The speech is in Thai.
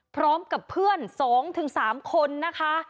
พร้อมกับเพื่อน๒๓คนนะคะ